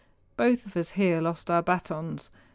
Both of us here lost our batons.